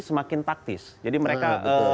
semakin taktis jadi mereka